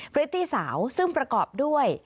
พฤติสาวซึ่งประกอบด้วย